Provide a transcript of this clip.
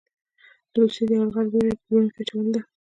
د روسیې د یرغل وېره یې په زړونو کې اچولې ده.